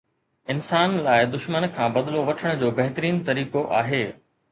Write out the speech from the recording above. انسان لاءِ دشمن کان بدلو وٺڻ جو بهترين طريقو آهي